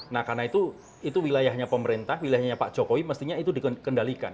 nah karena itu wilayahnya pemerintah wilayahnya pak jokowi mestinya itu dikendalikan